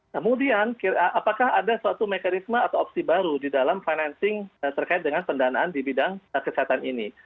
kemudian apakah ada suatu mekanisme atau opsi baru di dalam financing terkait dengan pendanaan di bidang kesehatan ini